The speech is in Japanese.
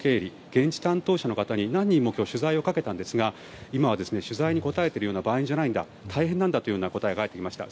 現地担当者の方に、何人も今日、取材をかけたんですが今は取材に答えているような場合じゃないんだ大変だという声がありました。